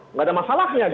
nggak ada masalahnya